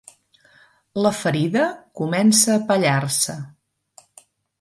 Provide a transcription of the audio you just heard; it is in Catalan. La ferida comença a pellar-se.